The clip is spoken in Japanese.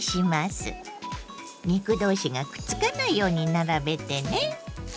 肉同士がくっつかないように並べてね。